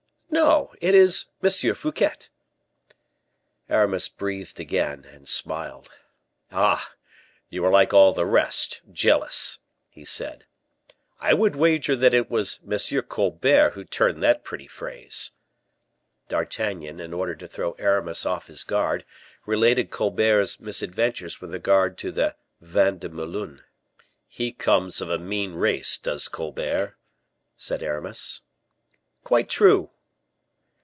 "No, it is Monsieur Fouquet." Aramis breathed again, and smiled. "Ah! you are like all the rest, jealous," he said. "I would wager that it was M. Colbert who turned that pretty phrase." D'Artagnan, in order to throw Aramis off his guard, related Colbert's misadventures with regard to the vin de Melun. "He comes of a mean race, does Colbert," said Aramis. "Quite true."